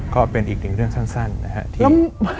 ก็เป็นอีกหนึ่งเรื่องสั้นนะฮะ